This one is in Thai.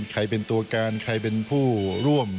ใครเป็นตัวการใครเป็นผู้ร่วม